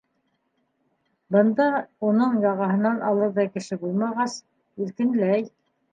Бында уның яғаһынан алырҙай кеше булмағас, иркенләй.